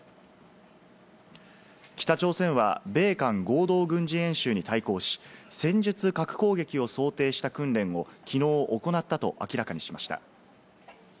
北朝鮮は米韓合同軍事演習に対抗し、戦術核攻撃を想定した訓練をきのう行ったと明らかにしました。